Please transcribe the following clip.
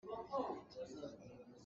Hakha le Thantlang aa let lengmang.